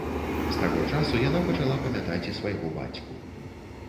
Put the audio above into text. З таго часу яна пачала памятаць і свайго бацьку.